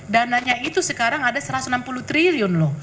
dananya itu sekarang ada satu ratus enam puluh triliun loh